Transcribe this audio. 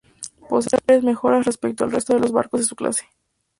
Posee varias mejoras respecto al resto de los barcos de su clase.